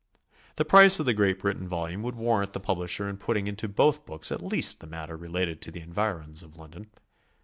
The price of the Great Britain volume would warrant the publisher in putting into both books at least the matter relating to the environs of London.